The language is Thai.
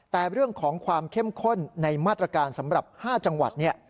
แต่เรื่องของความเข้มข้นในมาตรการสำหรับ๕จังหวัด